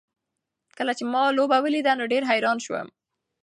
کله چې ما لوبه ولیده نو ډېر حیران شوم.